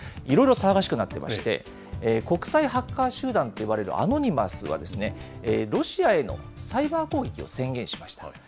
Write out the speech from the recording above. いろいろ騒がしくなってまして、国際ハッカー集団といわれる、アノニマスは、ロシアへのサイバー攻撃を宣言しました。